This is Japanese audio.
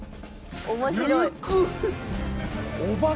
面白い。